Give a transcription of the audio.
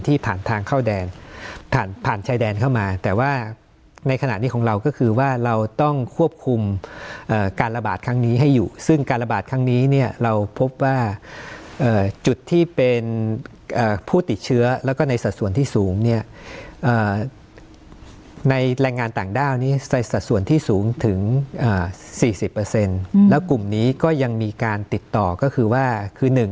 ผ่านทางเข้าแดนผ่านผ่านชายแดนเข้ามาแต่ว่าในขณะนี้ของเราก็คือว่าเราต้องควบคุมการระบาดครั้งนี้ให้อยู่ซึ่งการระบาดครั้งนี้เนี่ยเราพบว่าจุดที่เป็นผู้ติดเชื้อแล้วก็ในสัดส่วนที่สูงเนี่ยในแรงงานต่างด้าวนี้ในสัดส่วนที่สูงถึง๔๐แล้วกลุ่มนี้ก็ยังมีการติดต่อก็คือว่าคือ๑